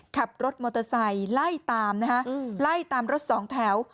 ขับรถมอเตอร์ไซค์ไล่ตามนะฮะไล่ตามรถสองแถว